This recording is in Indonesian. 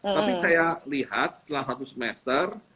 tapi saya lihat setelah satu semester